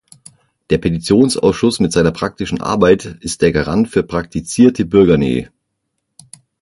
Der Petitionsausschuss mit seiner praktischen Arbeit ist der Garant für praktizierte Bürgernähe.